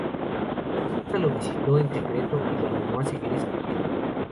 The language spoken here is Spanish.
Su esposa lo visitó en secreto y lo animó a seguir escribiendo.